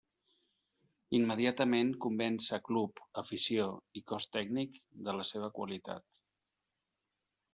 Immediatament convenç a club, afició i cos tècnic de la seva qualitat.